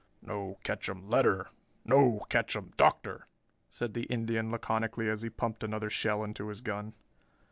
"No ketchum letter, no ketchum Doctor," said the Indian laconically as he pumped another shell into his gun.